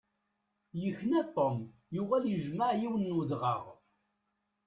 Yekna Tom yuɣal yejmeɛ yiwen n udɣaɣ.